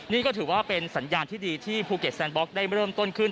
นี่ก็ถือว่าเป็นสัญญาณที่ดีที่ภูเก็ตแซนบล็อกได้เริ่มต้นขึ้น